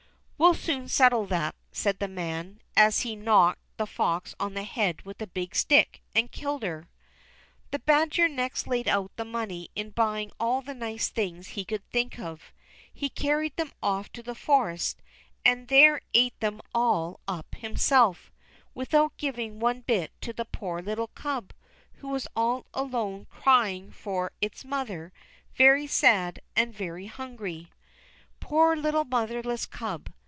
"We'll soon settle that," said the man, and he knocked the fox on the head with a big stick, and killed her. The badger next laid out the money in buying all the nice things he could think of. He carried them off to the forest, and there ate them all up himself, without giving one bit to the poor little Cub, who was all alone, crying for its mother, very sad, and very hungry. Poor little motherless Cub!